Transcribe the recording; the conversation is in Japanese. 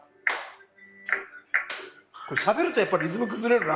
これしゃべるとやっぱリズム崩れるな。